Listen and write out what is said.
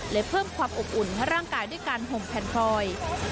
และเพิ่มความอบอุ่นให้ร่างกายด้วยการห่มแผ่นพลอย